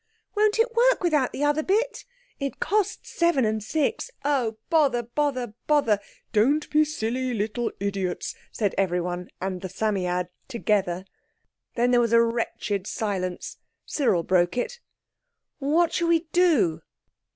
—"Won't it work without the other bit?"—"It cost seven and six."—"Oh, bother, bother, bother!"—"Don't be silly little idiots!" said everyone and the Psammead altogether. Then there was a wretched silence. Cyril broke it— "What shall we do?"